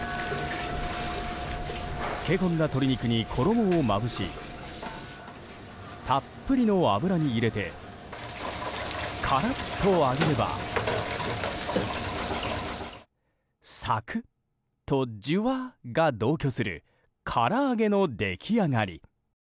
漬け込んだ鶏肉に衣をまぶしたっぷりの油に入れてカラッと揚げればサクッとジュワッが同居するから揚げの出来上がり。